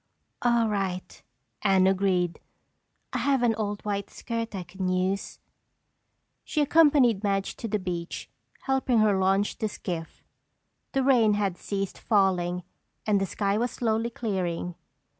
"All right," Anne agreed, "I have an old white skirt I can use." She accompanied Madge to the beach, helping her launch the skiff. The rain had ceased falling and the sky was slowly clearing.